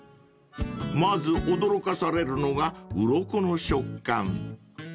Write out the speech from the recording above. ［まず驚かされるのがうろこの食感］